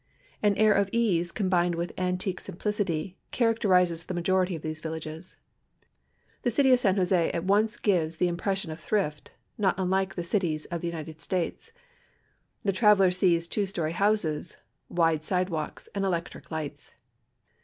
An air of ease combined with antique simplicit}' charac terizes the majority of these villages. The city of San Jose at once gives the impression of thrift, not unlike the cities of the United States. The traveler sees two story houses, wide side walks, and electric lights.